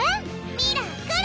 ミラクル！